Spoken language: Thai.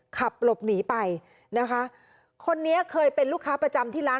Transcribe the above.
ขับหลบหนีไปนะคะคนนี้เคยเป็นลูกค้าประจำที่ร้าน